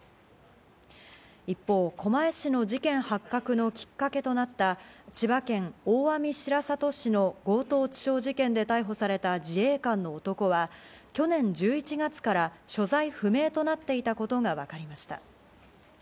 一方、狛江市の事件発覚のきっかけとなった、千葉県大網白里市の強盗致傷事件で逮捕された自衛官の男は去年１１月から所在不明となっていたことがわかりました。